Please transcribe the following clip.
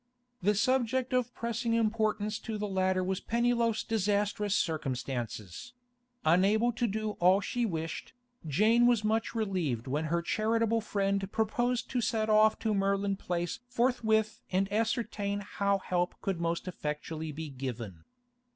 The subject of pressing importance to the latter was Pennyloaf's disastrous circumstances; unable to do all she wished, Jane was much relieved when her charitable friend proposed to set off to Merlin Place forthwith and ascertain how help could most effectually be given.